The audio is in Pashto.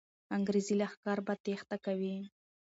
انګریزي لښکر به تېښته کوي.